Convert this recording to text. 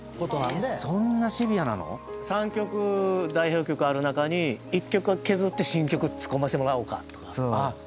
そんなシビアなの⁉３曲代表曲ある中に１曲削って新曲突っ込ませてもらおうかとか。